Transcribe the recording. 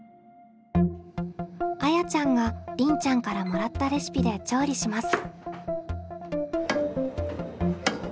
あやちゃんがりんちゃんからもらったレシピで調理します。